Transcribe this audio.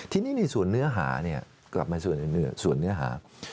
ทีนี้ในส่วนเนื้อหาเนี่ยกลับมาส่วนเนื้อหา